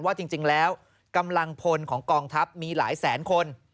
ว่าจริงแล้วกำลังพลของกองทัพมีหลายแสนคน